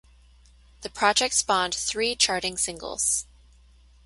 The project spawned three charting singles.